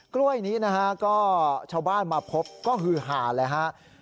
กล้วยนี้นะฮะก็ชาวบ้านมาพบก็คือหาเลยครับ